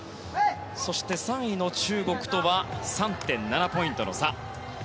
そして、３位の中国とは３．７ポイントの差。